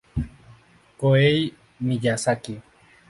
Kohei Miyazaki